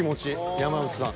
山内さん。